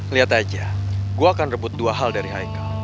lihat aja gue akan rebut dua hal dari haika